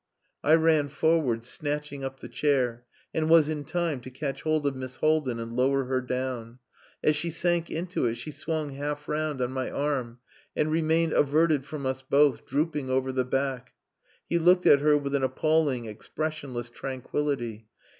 I ran forward, snatching up the chair, and was in time to catch hold of Miss Haldin and lower her down. As she sank into it she swung half round on my arm, and remained averted from us both, drooping over the back. He looked at her with an appalling expressionless tranquillity.